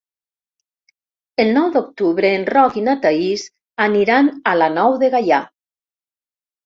El nou d'octubre en Roc i na Thaís aniran a la Nou de Gaià.